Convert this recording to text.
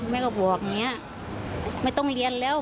แม่ก็บอกอย่างนี้ไม่ต้องเรียนแล้ว